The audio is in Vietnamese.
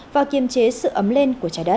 và kiềm chế sự ấm lên của trái đất